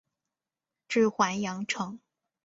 治淮阳城。